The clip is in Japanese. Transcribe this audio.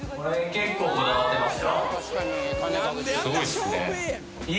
結構こだわってます。